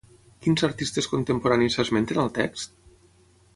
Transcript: Quins artistes contemporanis s'esmenten al text?